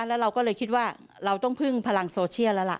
แล้วเราก็เลยคิดว่าเราต้องพึ่งพลังโซเชียลแล้วล่ะ